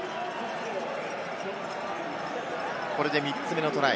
これで３つ目のトライ。